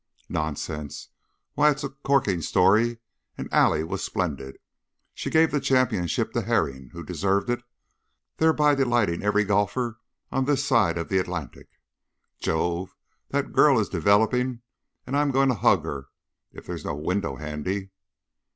"Nonsense! Why, it is a corking story, and Allie was splendid she gave the championship to Herring, who deserved it, thereby delighting every golfer on this side of the Atlantic. Jove! that girl is developing and I'm going to hug her if there's no window handy!